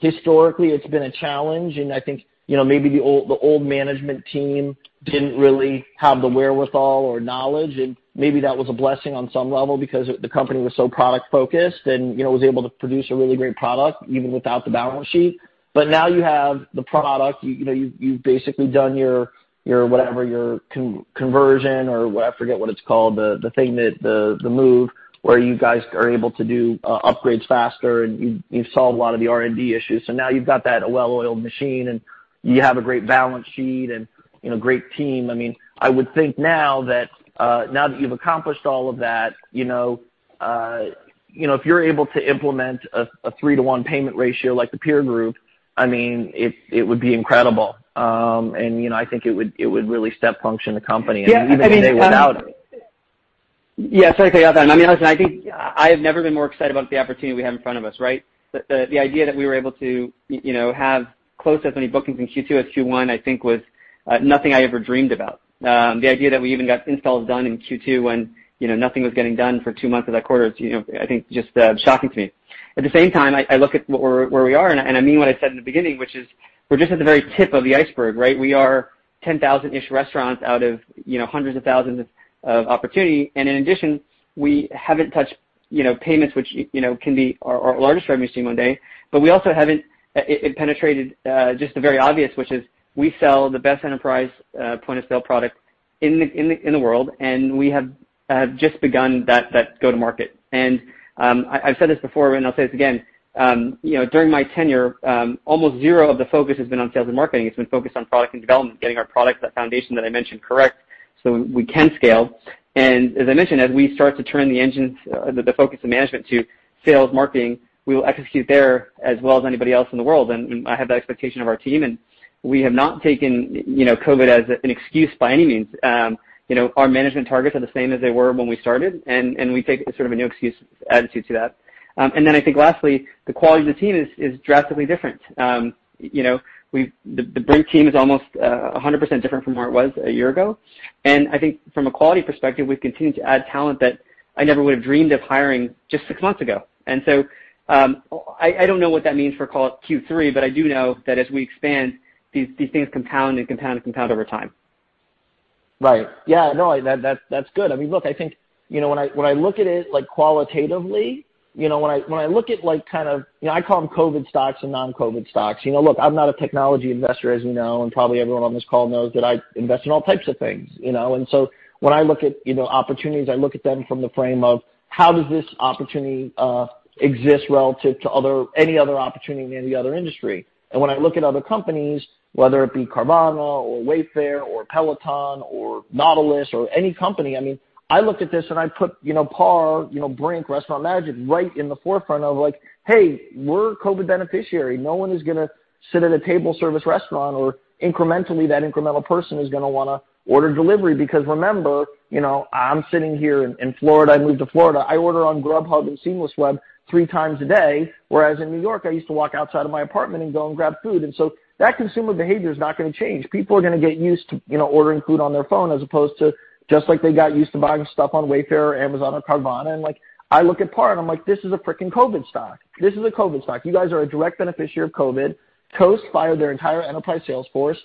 historically it's been a challenge. I think maybe the old management team didn't really have the wherewithal or knowledge. Maybe that was a blessing on some level because the company was so product-focused and was able to produce a really great product even without the balance sheet. Now you have the product. You've basically done your whatever, your conversion or what, I forget what it's called, the thing, the move where you guys are able to do upgrades faster, and you've solved a lot of the R&D issues. Now you've got that well-oiled machine, and you have a great balance sheet and a great team. I mean, I would think now that you've accomplished all of that, if you're able to implement a 3:1 payment ratio like the peer group, I mean, it would be incredible. I think it would really step function the company and even stay without it. Yeah. I mean, I think. Yeah. Sorry to cut you off there. I mean, listen, I think I have never been more excited about the opportunity we have in front of us, right? The idea that we were able to have close as many bookings in Q2 as Q1, I think, was nothing I ever dreamed about. The idea that we even got installs done in Q2 when nothing was getting done for two months of that quarter is, I think, just shocking to me. At the same time, I look at where we are, and I mean what I said in the beginning, which is we're just at the very tip of the iceberg, right? We are 10,000-ish restaurants out of hundreds of thousands of opportunity. In addition, we haven't touched payments, which can be our largest revenue stream one day. We also haven't penetrated just the very obvious, which is we sell the best enterprise point-of-sale product in the world, and we have just begun that go-to-market. I've said this before, and I'll say this again. During my tenure, almost zero of the focus has been on sales and marketing. It's been focused on product and development, getting our product to that foundation that I mentioned correct so we can scale. As I mentioned, as we start to turn the focus of management to sales, marketing, we will execute there as well as anybody else in the world. I have that expectation of our team. We have not taken COVID as an excuse by any means. Our management targets are the same as they were when we started, and we take sort of a no-excuse attitude to that. I think lastly, the quality of the team is drastically different. The Brink team is almost 100% different from where it was a year ago. I think from a quality perspective, we've continued to add talent that I never would have dreamed of hiring just six months ago. I don't know what that means for Q3, but I do know that as we expand, these things compound and compound and compound over time. Right. Yeah. No, that's good. I mean, look, I think when I look at it qualitatively, when I look at kind of I call them COVID stocks and non-COVID stocks. Look, I'm not a technology investor, as you know, and probably everyone on this call knows that I invest in all types of things. When I look at opportunities, I look at them from the frame of how does this opportunity exist relative to any other opportunity in any other industry? When I look at other companies, whether it be Carvana or Wayfair or Peloton or Nautilus or any company, I mean, I look at this and I put PAR, Brink, Restaurant Magic right in the forefront of like, "Hey, we're a COVID beneficiary. No one is going to sit at a table service restaurant or incrementally that incremental person is going to want to order delivery." Because remember, I'm sitting here in Florida. I moved to Florida. I order on Grubhub and Seamless Web three times a day, whereas in New York, I used to walk outside of my apartment and go and grab food. That consumer behavior is not going to change. People are going to get used to ordering food on their phone as opposed to just like they got used to buying stuff on Wayfair or Amazon or Carvana. I look at PAR and I'm like, "This is a freaking COVID stock. This is a COVID stock. You guys are a direct beneficiary of COVID." Toast fired their entire enterprise sales force.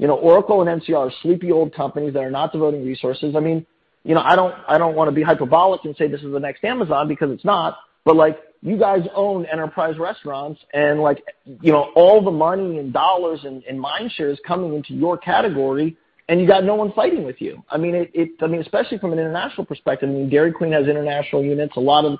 Oracle and NCR are sleepy old companies that are not devoting resources. I mean, I don't want to be hyperbolic and say this is the next Amazon because it's not, but you guys own enterprise restaurants, and all the money and dollars and mind share is coming into your category, and you got no one fighting with you. I mean, especially from an international perspective. I mean, Dairy Queen has international units. A lot of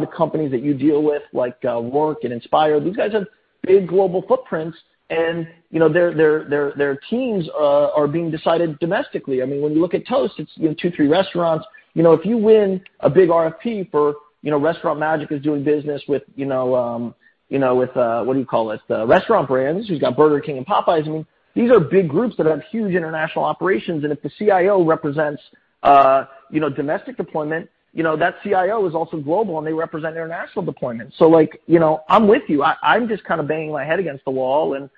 the companies that you deal with like Work and Inspire, these guys have big global footprints, and their teams are being decided domestically. I mean, when you look at Toast, it's two, three restaurants. If you win a big RFP for Restaurant Magic is doing business with, what do you call it, the restaurant brands who's got Burger King and Popeyes. I mean, these are big groups that have huge international operations. If the CIO represents domestic deployment, that CIO is also global, and they represent international deployments. I'm with you. I'm just kind of banging my head against the wall and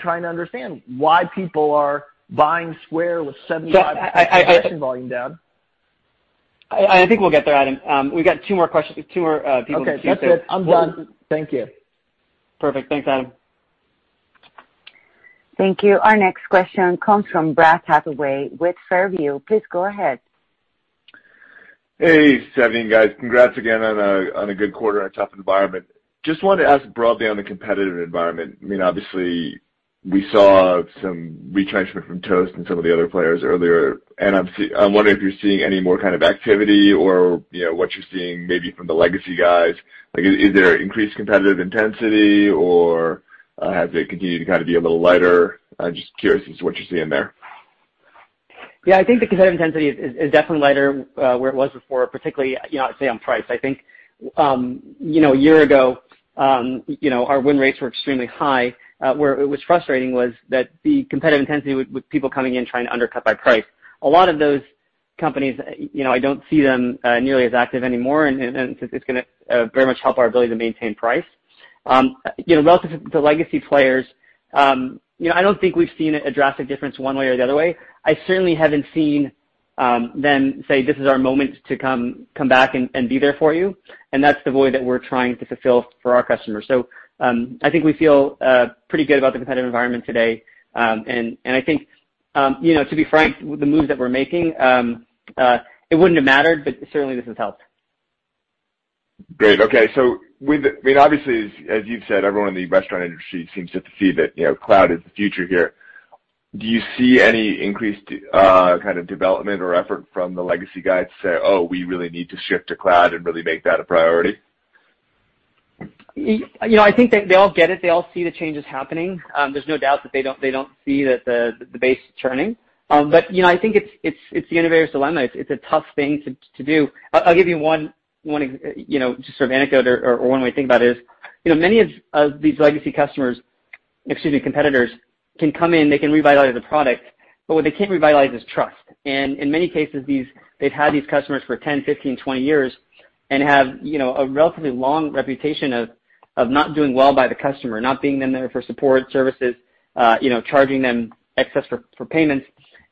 trying to understand why people are buying Square with 75% production volume down. I think we'll get there, Adam. We've got two more questions. Two more people. Okay. That's it. I'm done. Thank you. Perfect. Thanks, Adam. Thank you. Our next question comes from Brad Hathaway with Far View. Please go ahead. Hey, Savneet and guys. Congrats again on a good quarter at PAR's environment. Just wanted to ask broadly on the competitive environment. I mean, obviously, we saw some retrenchment from Toast and some of the other players earlier. I'm wondering if you're seeing any more kind of activity or what you're seeing maybe from the legacy guys. Is there increased competitive intensity, or has it continued to kind of be a little lighter? I'm just curious as to what you're seeing there. Yeah. I think the competitive intensity is definitely lighter where it was before, particularly, say, on price. I think a year ago, our win rates were extremely high. Where it was frustrating was that the competitive intensity with people coming in trying to undercut by price. A lot of those companies, I do not see them nearly as active anymore, and it is going to very much help our ability to maintain price. Relative to the legacy players, I do not think we have seen a drastic difference one way or the other way. I certainly have not seen them say, "This is our moment to come back and be there for you." That is the void that we are trying to fulfill for our customers. I think we feel pretty good about the competitive environment today. I think, to be frank, with the moves that we're making, it wouldn't have mattered, but certainly this has helped. Great. Okay. I mean, obviously, as you've said, everyone in the restaurant industry seems to perceive that cloud is the future here. Do you see any increased kind of development or effort from the legacy guys to say, "Oh, we really need to shift to cloud and really make that a priority? I think they all get it. They all see the changes happening. There's no doubt that they don't see that the base is turning. I think it's the innovator's dilemma. It's a tough thing to do. I'll give you one just sort of anecdote or one way to think about it is many of these legacy competitors can come in. They can revitalize the product, but what they can't revitalize is trust. In many cases, they've had these customers for 10, 15, 20 years and have a relatively long reputation of not doing well by the customer, not being there for support services, charging them excess for payments.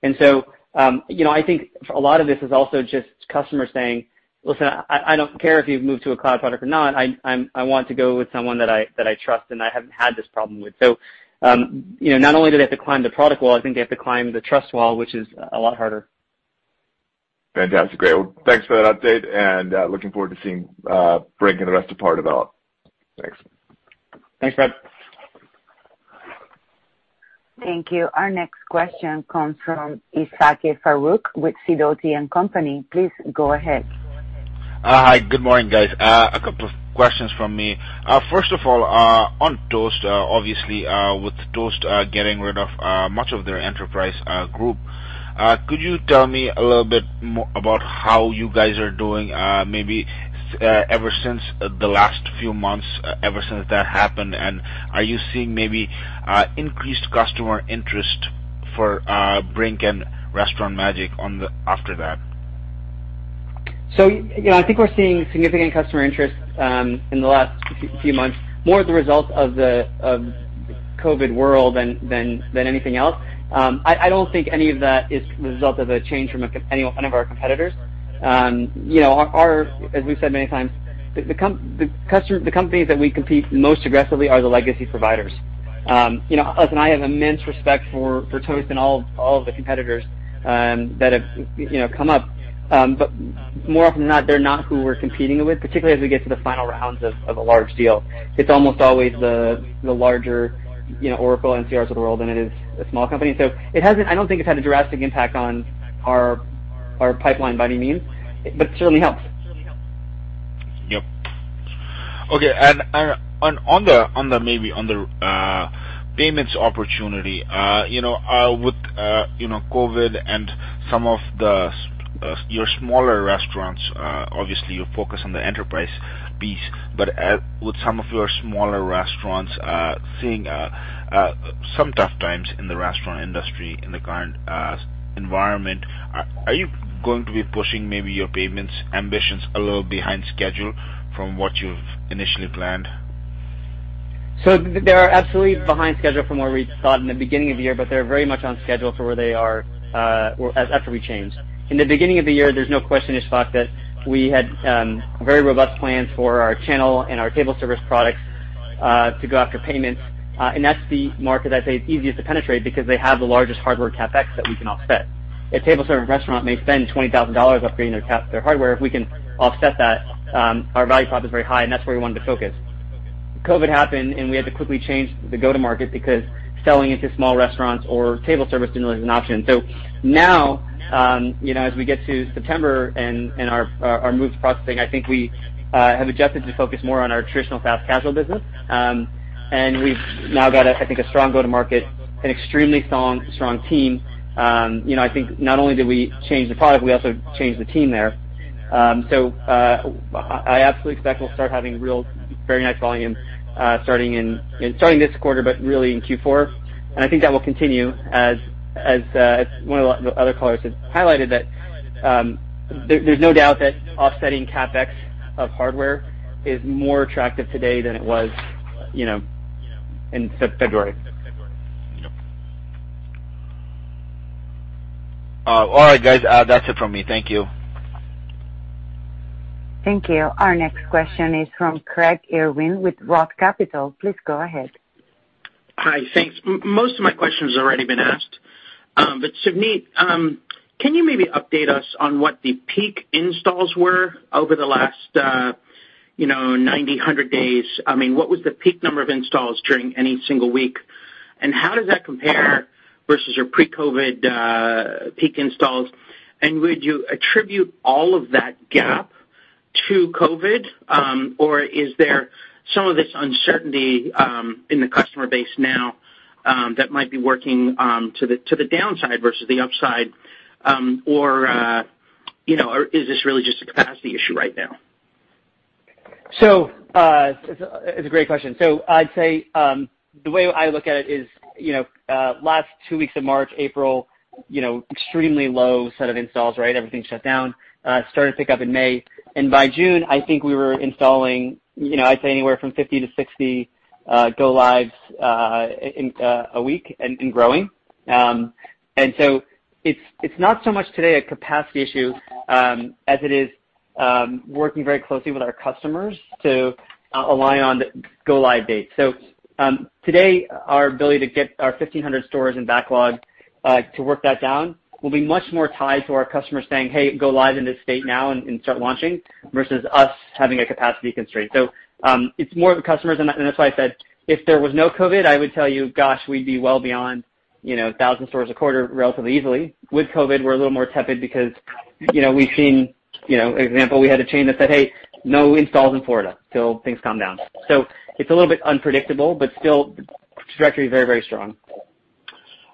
I think a lot of this is also just customers saying, "Listen, I don't care if you've moved to a cloud product or not. I want to go with someone that I trust and I haven't had this problem with. Not only do they have to climb the product wall, I think they have to climb the trust wall, which is a lot harder. Fantastic. Great. Thanks for that update, and looking forward to seeing Brink and the rest of PAR develop. Thanks. Thanks, Brent. Thank you. Our next question comes from Ismael Farouk with Sidoti & Company. Please go ahead. Hi. Good morning, guys. A couple of questions from me. First of all, on Toast, obviously, with Toast getting rid of much of their enterprise group, could you tell me a little bit about how you guys are doing maybe ever since the last few months, ever since that happened? Are you seeing maybe increased customer interest for Brink and Restaurant Magic after that? I think we're seeing significant customer interest in the last few months, more as a result of the COVID world than anything else. I don't think any of that is the result of a change from any one of our competitors. As we've said many times, the companies that we compete most aggressively are the legacy providers. Listen, I have immense respect for Toast and all of the competitors that have come up. More often than not, they're not who we're competing with, particularly as we get to the final rounds of a large deal. It's almost always the larger Oracle and NCRs of the world than it is a small company. I don't think it's had a drastic impact on our pipeline by any means, but it certainly helps. Okay. Maybe on the payments opportunity, with COVID and some of your smaller restaurants, obviously, you focus on the enterprise piece. With some of your smaller restaurants seeing some tough times in the restaurant industry in the current environment, are you going to be pushing maybe your payments ambitions a little behind schedule from what you've initially planned? They are absolutely behind schedule from where we thought in the beginning of the year, but they're very much on schedule for where they are after we change. In the beginning of the year, there's no question as to the fact that we had very robust plans for our channel and our table service products to go after payments. That's the market I'd say is easiest to penetrate because they have the largest hardware CapEx that we can offset. A table service restaurant may spend $20,000 upgrading their hardware. If we can offset that, our value prop is very high, and that's where we wanted to focus. COVID happened, and we had to quickly change the go-to-market because selling into small restaurants or table service didn't always have an option. Now, as we get to September and our move to processing, I think we have adjusted to focus more on our traditional fast casual business. We've now got, I think, a strong go-to-market, an extremely strong team. I think not only did we change the product, we also changed the team there. I absolutely expect we'll start having real very nice volume starting this quarter, but really in Q4. I think that will continue as one of the other callers had highlighted that there's no doubt that offsetting CapEx of hardware is more attractive today than it was in February. Yep. All right, guys. That's it from me. Thank you. Thank you. Our next question is from Craig Irwin withROTH Capital. Please go ahead. Hi. Thanks. Most of my questions have already been asked. Savneet, can you maybe update us on what the peak installs were over the last 90, 100 days? I mean, what was the peak number of installs during any single week? How does that compare versus your pre-COVID peak installs? Would you attribute all of that gap to COVID, or is there some of this uncertainty in the customer base now that might be working to the downside versus the upside? Is this really just a capacity issue right now? It's a great question. I'd say the way I look at it is last two weeks of March, April, extremely low set of installs, right? Everything shut down. Started to pick up in May. By June, I think we were installing, I'd say, anywhere from 50-60 go-lives a week and growing. It's not so much today a capacity issue as it is working very closely with our customers to align on the go-live date. Today, our ability to get our 1,500 stores in backlog to work that down will be much more tied to our customers saying, "Hey, go-live in this state now and start launching," versus us having a capacity constraint. It's more of the customers. That is why I said if there was no COVID, I would tell you, "Gosh, we'd be well beyond 1,000 stores a quarter relatively easily." With COVID, we're a little more tepid because we've seen, for example, we had a chain that said, "Hey, no installs in Florida till things calm down." It is a little bit unpredictable, but still, the trajectory is very, very strong.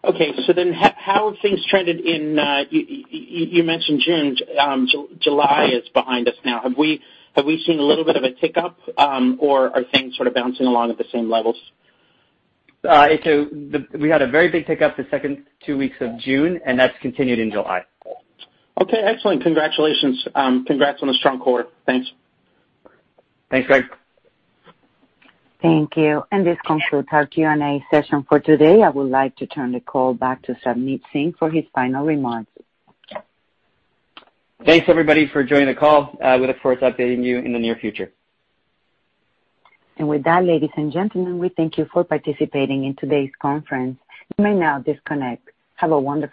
Okay. So then how have things trended in you mentioned June. July is behind us now. Have we seen a little bit of a tick up, or are things sort of bouncing along at the same levels? We had a very big tick up the second two weeks of June, and that's continued in July. Okay. Excellent. Congratulations. Congrats on a strong quarter. Thanks. Thanks, Greg. Thank you. This concludes our Q&A session for today. I would like to turn the call back to Savneet Singh for his final remarks. Thanks, everybody, for joining the call. We look forward to updating you in the near future. With that, ladies and gentlemen, we thank you for participating in today's conference. You may now disconnect. Have a wonderful day.